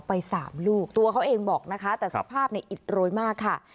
ไปสามลูกตัวเขาเองบอกนะคะแต่สภาพเนี่ยอิดโรยมากค่ะ